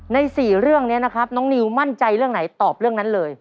ใน๔เรื่องนี้นะครับน้องนิวมั่นใจเรื่องไหนตอบเรื่องนั้นเลย